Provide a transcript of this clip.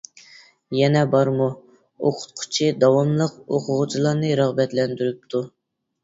-يەنە بارمۇ؟ -ئوقۇتقۇچى داۋاملىق ئوقۇغۇچىلارنى رىغبەتلەندۈرۈپتۇ.